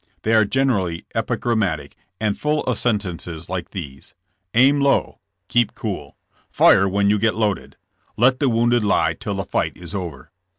They are generally epigram.matic, and full of sentences like these: 'Aim low,' 'keep cool,' 'fire when you get loaded,' 'let the wounded lie till the fight is over.